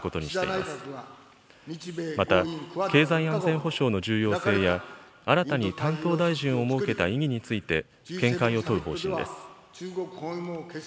また経済安全保障の重要性や、新たに担当大臣を設けた意義について、見解を問う方針です。